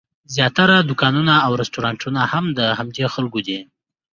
زیاتره دوکانونه او رسټورانټونه هم د همدې خلکو دي.